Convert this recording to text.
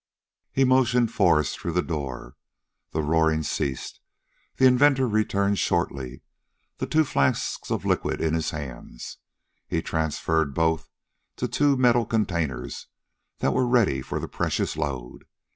He motioned Foster through the door. The roaring ceased. The inventor returned shortly, the two flasks of liquid in his hands. He transferred both to two metal containers that were ready for the precious load.